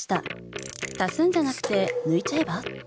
足すんじゃなくて抜いちゃえば？